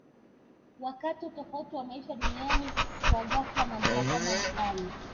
wakati utofauti wa maisha duniani kwa ghafla na mkataba mkali